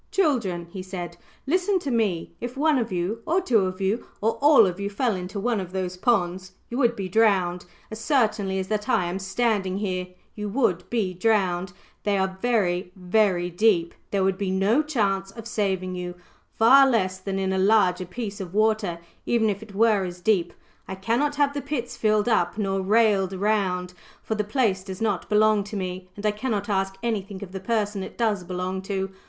"Children," he said, "listen to me. If one of you, or two of you, or all of you fell into one of those ponds, you would be drowned as certainly as that I am standing here, you would be drowned. They are very, very deep there would be no chance of saving you, far less than in a larger piece of water, even if it were as deep. I cannot have the pits filled up nor railed round, for the place does not belong to me, and I cannot ask anything of the person it does belong to.